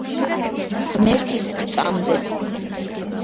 ღმერთის გსწამდეს